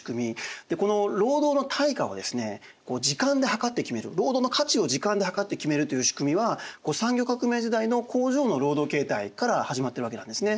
でこの労働の対価をですね時間で計って決める労働の価値を時間で計って決めるという仕組みは産業革命時代の工場の労働形態から始まってるわけなんですね。